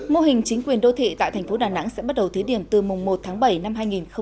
mô hình chính quyền đô thị tại thành phố đà nẵng sẽ bắt đầu thí điểm từ mùng một tháng bảy năm hai nghìn hai mươi